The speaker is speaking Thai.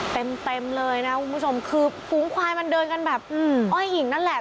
เต็มเต็มเลยนะคุณผู้ชมคือฝูงควายมันเดินกันแบบอ้อยหญิงนั่นแหละ